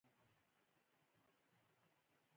چې له موټر نه پیاده شوي وو.